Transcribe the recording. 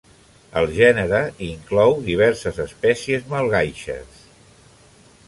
El gènere inclou diverses espècies malgaixes.